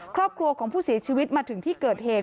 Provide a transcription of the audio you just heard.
ครอบครัวของผู้เสียชีวิตมาถึงที่เกิดเหตุ